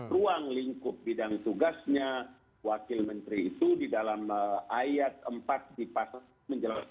ruang lingkup bidang tugasnya wakil menteri itu di dalam ayat empat di pasal menjelaskan